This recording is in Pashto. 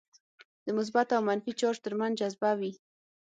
د مثبت او منفي چارج ترمنځ جذبه وي.